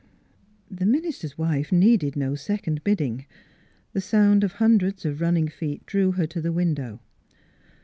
" The minister's wife needed no second bidding; the sound of hundreds of running feet drew her to the window.